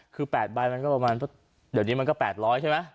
คือ๘ใบมันก็ประมาณเดี๋ยวนี้มันก็๘๐๐ใช่ไหม